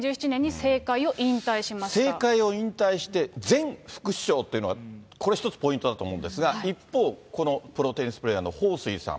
政界を引退して前副首相というのが、これ一つポイントだと思うんですが、一方、このプロテニスプレーヤーの彭帥さん。